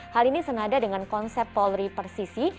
hal ini senada dengan konsep polri persisi